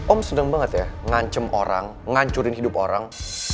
om seneng banget ya ngancam orang ngancurin hidup orang